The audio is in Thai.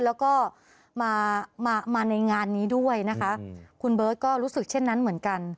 แล้วก็มามาในงานนี้ด้วยนะคะคุณเบิร์ตก็รู้สึกเช่นนั้นเหมือนกัน